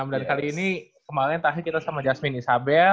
dan kali ini kemarin kita sama jasmine isabel